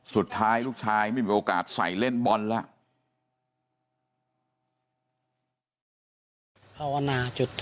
สุดท้ายลูกชายไม่มีโอกาสใส่เล่นบอลแล้ว